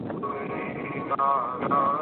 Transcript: আমার মনে হয় না যে, কলিকাতা তার পক্ষে অনুকূল।